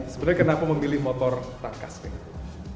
sebenarnya kenapa memilih motor tangkas ini